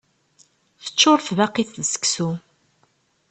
Teččuṛ tbaqit d seksu.